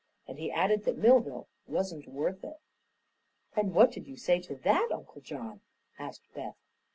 And he added that Millville wasn't worth it." "And what did you say to that, Uncle John?" asked Beth.